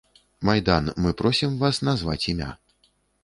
Майдан, мы просім вас назваць імя.